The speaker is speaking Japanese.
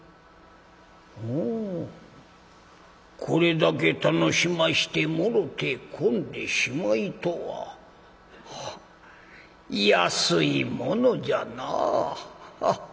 これだけ楽しましてもろてこんでしまいとは安いものじゃなあ。